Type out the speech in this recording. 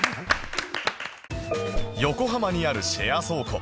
横浜にあるシェア倉庫